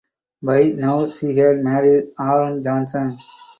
By now she had married Aaron Johnson.